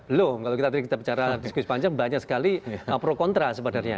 belum kalau kita bicara diskusi panjang banyak sekali pro kontra sebenarnya